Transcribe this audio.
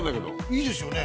いいですよね。